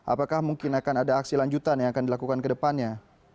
apakah mungkin akan ada aksi lanjutan yang akan dilakukan ke depannya